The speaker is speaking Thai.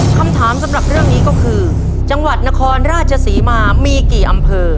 คำถามสำหรับเรื่องนี้ก็คือจังหวัดนครราชศรีมามีกี่อำเภอ